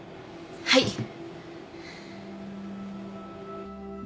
はい。